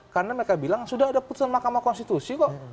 karena mereka bilang sudah ada putusan makamah konstitusi kok